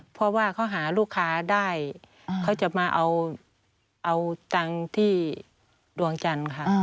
เพราะว่าเขาหาลูกค้าได้เขาจะมาเอาตังค์ที่ดวงจันทร์ค่ะ